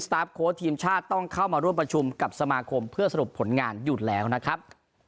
ตาร์ฟโค้ชทีมชาติต้องเข้ามาร่วมประชุมกับสมาคมเพื่อสรุปผลงานอยู่แล้วนะครับ